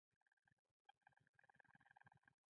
فاتح پوځیان به ستا په لټون ستا کور ته درشي.